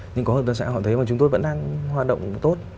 nhưng có hợp gia xã họ thấy chúng tôi vẫn đang hoạt động tốt